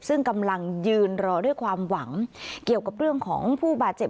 ซึ่งกำลังยืนรอด้วยความหวังเกี่ยวกับเรื่องของผู้บาดเจ็บ